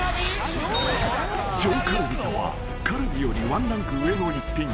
［上カルビとはカルビよりワンランク上の一品］